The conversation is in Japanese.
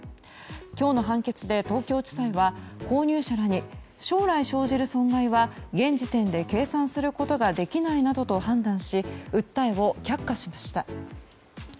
今日の判決で東京地裁は購入者らに将来生じる損害は現時点で計算することができないなどと判断し訴えを却下しました。